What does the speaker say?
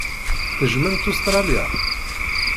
Tejjmemt Ustṛalya?